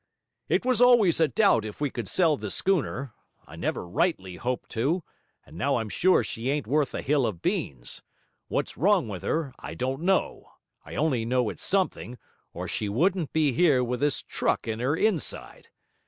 It was always a doubt if we could sell the schooner; I never rightly hoped to, and now I'm sure she ain't worth a hill of beans; what's wrong with her, I don't know; I only know it's something, or she wouldn't be here with this truck in her inside.